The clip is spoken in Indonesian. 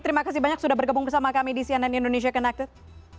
terima kasih banyak sudah bergabung bersama kami di cnn indonesia connected